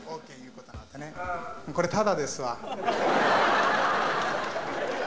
これタダですわ。